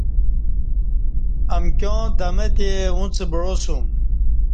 امکیاں دمہ تی اُݩڅ بعاسوم